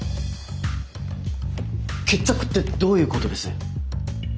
決着ってどういうことです？